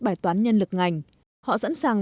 bài toán nhân lực ngành họ sẵn sàng